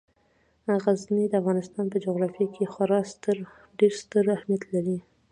غزني د افغانستان په جغرافیه کې خورا ډیر ستر اهمیت لري.